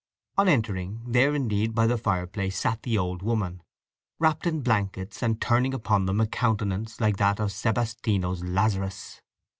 On entering, there indeed by the fireplace sat the old woman, wrapped in blankets, and turning upon them a countenance like that of Sebastiano's Lazarus.